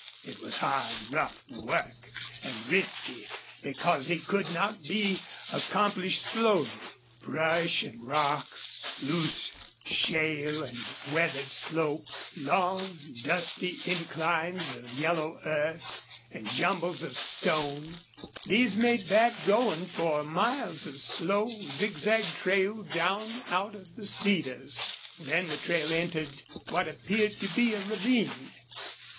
It was hard, rough work, and risky because it could not be accomplished slowly. Brush and rocks, loose shale and weathered slope, long, dusty inclines of yellow earth, and jumbles of stone these made bad going for miles of slow, zigzag trail down out of the cedars. Then the trail entered what appeared to be a ravine.